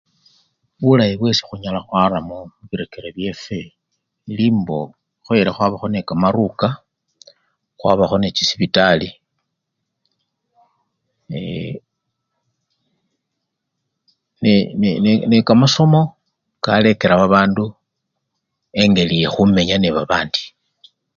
Bulayi bweikhunyala khwara mubireker byefwe, ili mbo khukhoyele khwabakho nende kamaruka, khwabakho nende chisipitali ee! ne! ne! kamasomo kakalekela babandu engeli yekhumenya nebabandi.